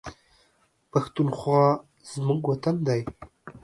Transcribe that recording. پښتونخوا زموږ وطن دی